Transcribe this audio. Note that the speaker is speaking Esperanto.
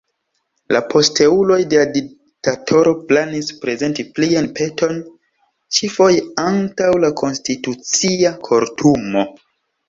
La posteuloj de la diktatoro planis prezenti plian peton, ĉi-foje antaŭ la Konstitucia Kortumo.